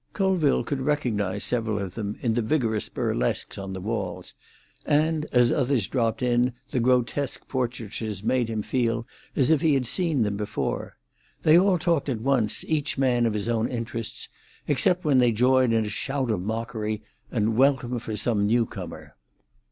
Colville could recognise several of them in the vigorous burlesques on the walls, and as others dropped in the grotesque portraitures made him feel as if he had seen them before. They all talked at once, each man of his own interests, except when they joined in a shout of mockery and welcome for some new comer.